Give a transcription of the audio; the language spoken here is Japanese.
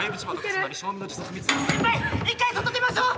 一回外出ましょう。